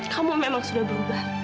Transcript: kamu memang sudah berubah